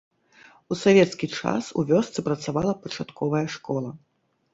У савецкі час у вёсцы працавала пачатковая школа.